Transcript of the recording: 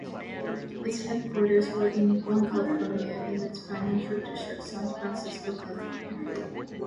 Its headquarters were in One California in the Financial District, San Francisco, California.